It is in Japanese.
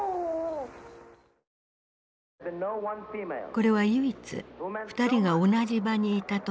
これは唯一二人が同じ場にいた時の映像。